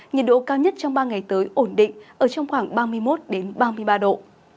nhiệt độ cao nhất trong ba ngày tới ổn định ở trong khoảng ba mươi một ba mươi ba độ